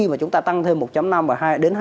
mà chúng ta tăng thêm một năm và hai